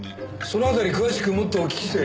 その辺り詳しくもっとお聞きして。